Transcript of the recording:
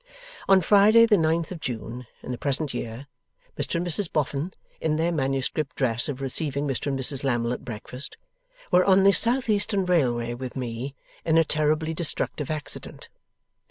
On Friday the Ninth of June in the present year, Mr and Mrs Boffin (in their manuscript dress of receiving Mr and Mrs Lammle at breakfast) were on the South Eastern Railway with me, in a terribly destructive accident.